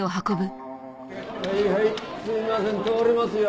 はいはいすいません通りますよ。